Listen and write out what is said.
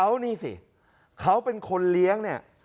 เขานี่สิเขาเป็นคนเลี้ยงเนี่ย